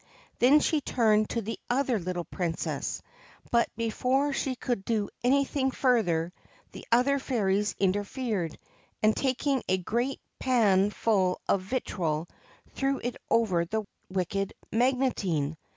Then she turned to the other little Princess ; but, before she could do anything further, the other fairies interfered, and taking a great pan full of vitriol, threw it over the wicked Magotine.